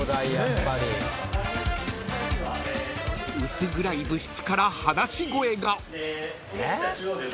［薄暗い部室から話し声が］